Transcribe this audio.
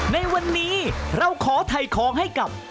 ในวันนี้เราขอถ่ายของให้กับ